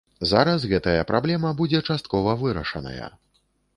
Зараз гэтая праблема будзе часткова вырашаная.